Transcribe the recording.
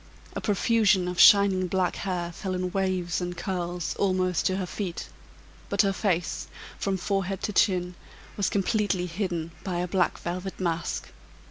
A profusion of shining black hair fell in waves and curls almost to her feet; but her face, from forehead to chin, was completely hidden by a black velvet mask.